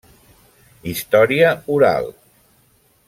Història oral.